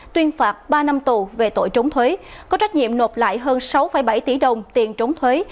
tuyên phạt ba năm tù về tội trống thuế có trách nhiệm nộp lại hơn sáu bảy tỷ đồng tiền trống thuế